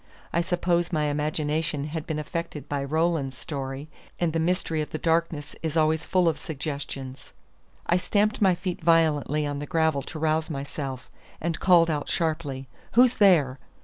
I suppose my imagination had been affected by Roland's story; and the mystery of the darkness is always full of suggestions. I stamped my feet violently on the gravel to rouse myself, and called out sharply, "Who's there?"